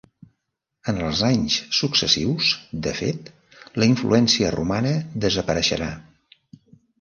En els anys successius de fet, la influència romana desapareixerà.